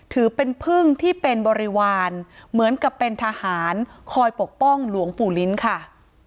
ถือเป็นพึ่งที่เป็นบริวารเหมือนกับเป็นทหารคอยปกป้องหลวงปู่ลิ้นค่ะ